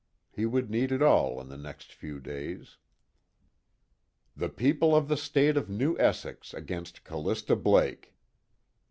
He would need it all in the next few days. "The People of the State of New Essex against Callista Blake."